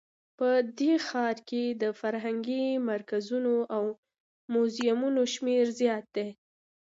په دې ښار کې د فرهنګي مرکزونو او موزیمونو شمیر زیات ده